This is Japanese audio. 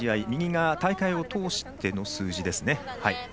右が大会を通しての数字です。